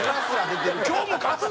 「今日も勝つぞ！！」